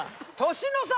年の差！